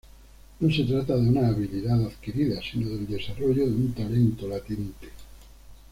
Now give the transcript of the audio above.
No se trata de una habilidad adquirida, sino del desarrollo de un talento latente.